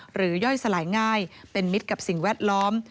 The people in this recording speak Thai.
ย่อยสลายง่ายเป็นมิตรกับสิ่งแวดล้อม